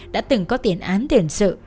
đã từng có tiến án tiền sự